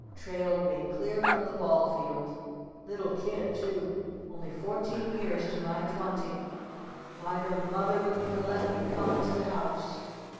Trailed me clear from the Ball Field. Little kid too. Only fourteen years to my twenty. Why her Mother wouldn't even let me come to the house.